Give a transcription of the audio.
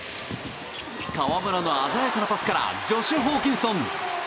河村の鮮やかなパスからジョシュ・ホーキンソン！